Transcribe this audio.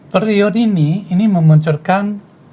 periode ini memunculkan